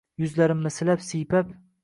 Yuzlarimni silab, siypalab